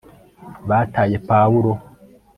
bataye pawulo